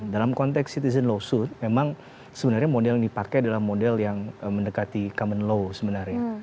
dalam konteks citizen law south memang sebenarnya model yang dipakai adalah model yang mendekati common law sebenarnya